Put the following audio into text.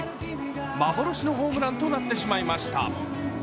幻のホームランとなってしまいました。